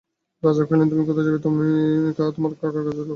রাজা কহিলেন, তুমি কোথায় যাবে, তুমি তোমার কাকার কাছে থাকো।